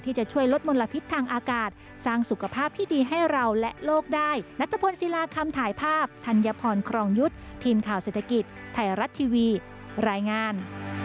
ทีวีรายงาน